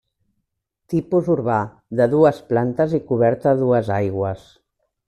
Tipus urbà, de dues plantes i coberta a dues aigües.